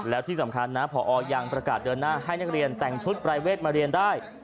แล้วที่สำคัญนะพอยังประกาศเดินหน้าให้นักเรียนแต่งชุดปรายเวทมาเรียนได้